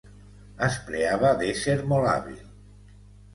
Es preava d'ésser molt hàbil.